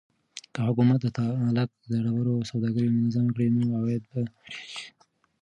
که حکومت د تالک د ډبرو سوداګري منظمه کړي نو عواید به ډېر شي.